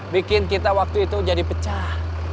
bikin kita waktu itu jadi pecah